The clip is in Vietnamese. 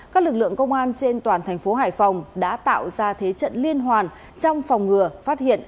các lực lượng công an trên toàn thành phố hải phòng đã tạo ra thế trận liên hoàn trong phòng ngừa phát hiện